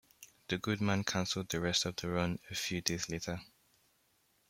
The Goodman cancelled the rest of the run a few days later.